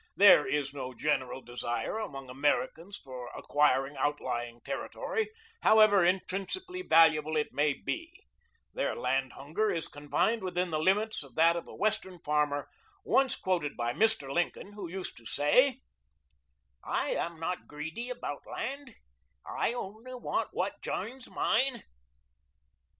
There is no general desire among Americans for acquiring outlying territory, however intrinsically valuable it may be; their land hunger is confined within the limits of that of a Western farmer once quoted by Mr. Lincoln, who used to say, "I am not greedy about land; I only want what jines mine."